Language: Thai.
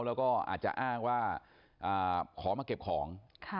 แล้วก็อาจจะอ้างว่าขอมาเก็บของ